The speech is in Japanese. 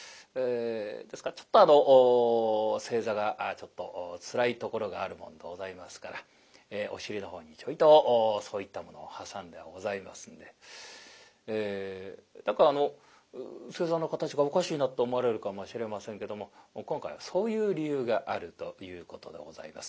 ですからちょっとあの正座がちょっとつらいところがあるもんでございますからお尻のほうにちょいとそういったものを挟んでございますんで何かあの正座の形がおかしいなと思われるかもしれませんけども今回はそういう理由があるということでございます。